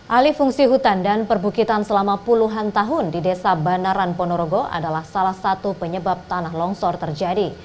alih fungsi hutan dan perbukitan selama puluhan tahun di desa banaran ponorogo adalah salah satu penyebab tanah longsor terjadi